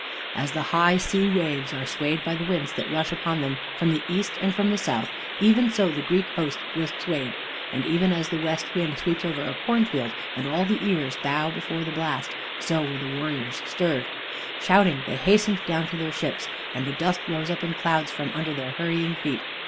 As the high sea waves are swayed by the winds that rush upon them from the east and from the south, even so the Greek host was swayed. And even as the west wind sweeps over a cornfield and all the ears bow down before the blast, so were the warriors stirred. Shouting, they hastened down to their ships. And the dust rose up in clouds from under their hurrying feet.